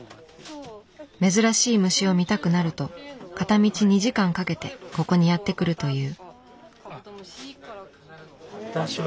珍しい虫を見たくなると片道２時間かけてここにやって来るという。